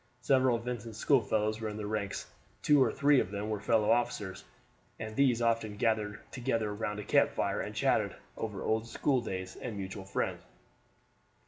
Several of Vincent's schoolfellows were in the ranks; two or three of them were fellow officers, and these often gathered together round a camp fire and chatted over old schooldays and mutual friends.